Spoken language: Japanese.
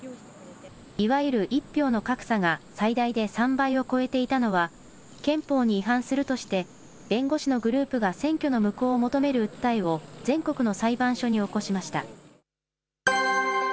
いわゆる１票の格差が最大で３倍を超えていたのは憲法に違反するとして、弁護士のグループが選挙の無効を求める訴えを全国の裁判所に起こしました。